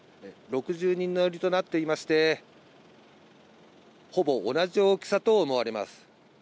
６０人乗りとなっていまして、ほぼ同じ大きさと思われます。